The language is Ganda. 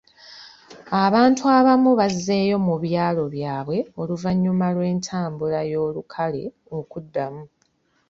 Abantu abamu bazzeeyo mu byalo byabwe oluvannyuma lw'entambula y'olukale okuddamu.